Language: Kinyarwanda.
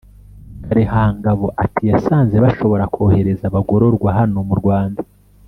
Kalihangabo ati “ Yasanze bashobora kohereza abagororwa hano mu Rwanda